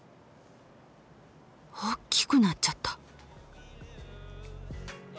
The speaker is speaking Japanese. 大きくなっちゃった。